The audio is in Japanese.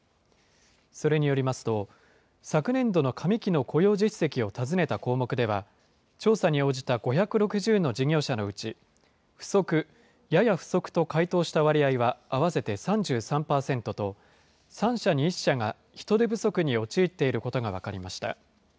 それによりますと、昨年度の上期の雇用実績を尋ねた項目では、調査の応じた５６０の事業者のうち、不足、やや不足と回答した割合は合わせて３３％と、３社に１社が人手不足に陥っていることが分かりました。